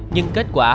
nhưng kết quả